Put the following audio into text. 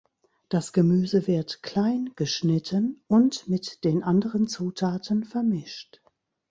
Das Gemüse wird klein geschnitten und mit den anderen Zutaten vermischt.